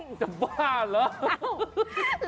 จะบ้าเหรอ